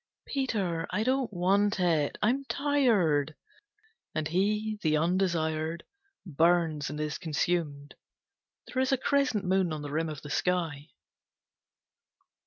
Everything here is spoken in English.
"Peter, I don't want it. I am tired." And he, the undesired, burns and is consumed. There is a crescent moon on the rim of the sky.